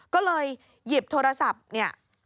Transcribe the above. ก็เลยหยิบโทรศัพท์เนี่ย